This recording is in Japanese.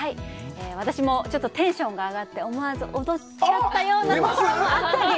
私もちょっとテンションが上がって思わず踊っちゃったようなことがあったり。